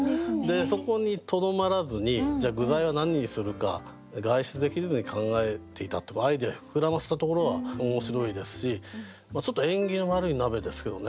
そこにとどまらずにじゃあ具材は何にするか外出できずに考えていたとアイデア膨らませたところが面白いですしちょっと縁起の悪い鍋ですけどね